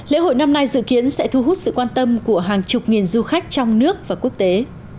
lễ hội năm nay dự kiến sẽ thu hút sự quan tâm của hàng chục nghìn du khách trong nước và quốc tế